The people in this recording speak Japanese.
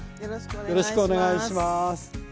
よろしくお願いします。